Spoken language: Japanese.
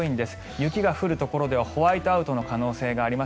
雪が降るところではホワイトアウトの可能性があります。